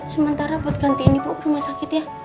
sementara buat gantiin ibu ke rumah sakit ya